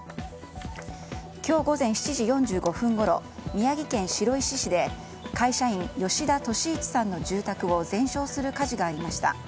今日午前７時４５分ごろ宮城県白石市で会社員、吉田敏一さんの住宅を全焼する火事がありました。